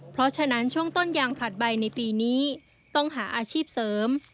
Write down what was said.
เพราะฉะนั้นช่วงต้นยางผลัดใบในปีนี้ต้องหาอาชีพเสริม